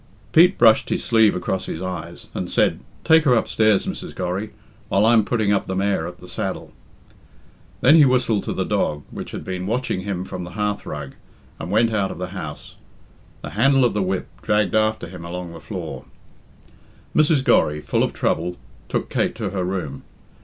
Pete brushed his sleeve across his eyes, and said, "Take her upstairs, Mrs. Gorry, while I'm putting up the mare at the 'Saddle.'" Then he whistled to the dog, which had been watching him from the hearthrug, and went out of the house. The handle of the whip dragged after him along the floor. Mrs. Gorry, full of trouble, took Kate to her room.